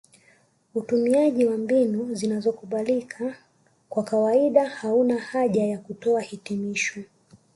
Utumiaji wa mbinu zinazokubalika kwa kawaida hauna haja ya kutoa hitimisho